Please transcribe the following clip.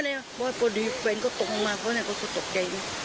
บอกว่าโดรดีปเขาโดดลงมาก็จะตกใจ